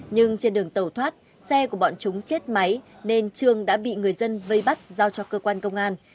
nhưng trên đường tàu thoát xe của bọn chúng chết máy nên trương đã bị người dân vây bắt giao cho cơ quan công an